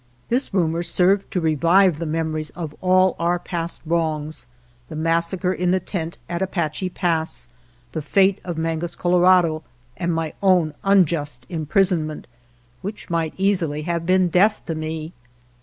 This rumor served to revive the memory of all our past wrongs — the massacre in the tent at Apache Pass, the fate of Mangus Colorado, and my own unjust imprisonment, which might easily have been death to me.